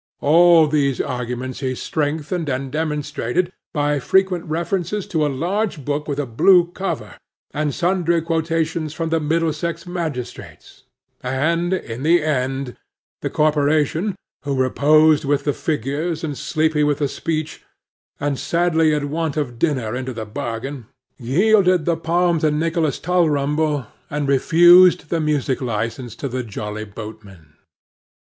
All these arguments he strengthened and demonstrated by frequent references to a large book with a blue cover, and sundry quotations from the Middlesex magistrates; and in the end, the corporation, who were posed with the figures, and sleepy with the speech, and sadly in want of dinner into the bargain, yielded the palm to Nicholas Tulrumble, and refused the music licence to the Jolly Boatmen.